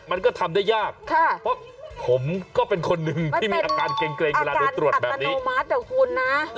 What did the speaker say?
มันก็ทำได้ยากเพราะผมก็เป็นคนนึงที่มีอาการเกร็งเวลาหนูตรวจแบบนี้มันเป็นอาการอัตโนมัติของคุณนะ